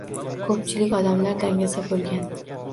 Ko’pchilik odamlar dangasa bo’lgan